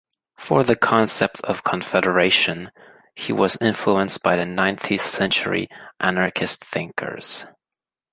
For the concept of confederation, he was influenced by the nineteenth century anarchist thinkers.